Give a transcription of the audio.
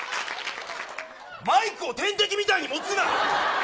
マイクを点滴みたいに持つな。